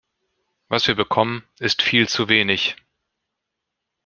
Was wir bekommen, ist viel zu wenig.